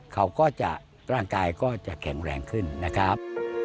เขาก็จะร่างกายก็จะแข็งแรงขึ้นนะครับ